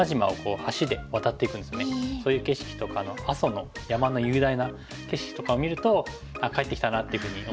そういう景色とかの阿蘇の山の雄大な景色とかを見るとああ帰ってきたなっていうふうに思います。